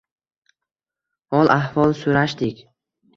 Hol-ahvol so’rashdik.